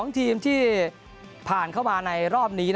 ๒ทีมที่ผ่านเข้ามาในรอบนี้